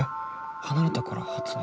離れたから発熱？